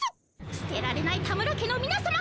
捨てられない田村家のみなさま